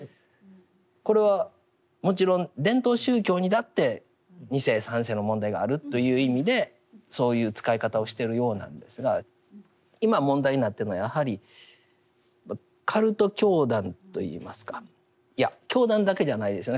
これはもちろん伝統宗教にだって２世３世の問題があるという意味でそういう使い方をしてるようなんですが今問題になってるのはやはりカルト教団といいますかいや教団だけじゃないですよね。